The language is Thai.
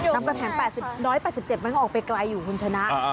อยู่ไหนค่ะ๑๘๗มันออกไปไกลคุณชนะ